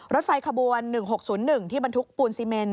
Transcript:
รถไฟขบวน๑๖๐๑ที่บรรทุกปูนซีเมน